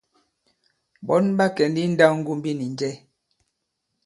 Ɓɔ̌n ɓa kɛ i nndāwŋgombi nì njɛ ?